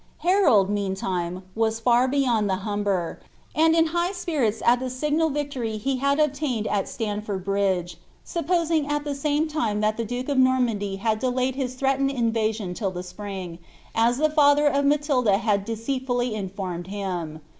Harold, meantime, was far beyond the Humber, and in high spirits at the signal victory he had obtained at Stanford Bridge, supposing at the same time that the duke of Normandy had delayed his threatened inva sion till the spring,' as the &ther of Matilda had deceitfully informed him.